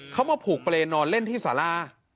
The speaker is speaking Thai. เขามาผูกเปรย์นอนเล่นที่สารา